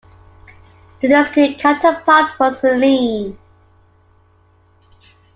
Luna's Greek counterpart was Selene.